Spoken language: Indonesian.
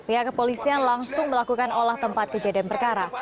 pihak kepolisian langsung melakukan olah tempat kejadian perkara